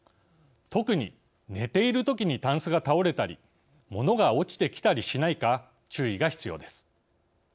特に寝ているときにたんすが倒れたり物が落ちてきたりしないか注意が必要です。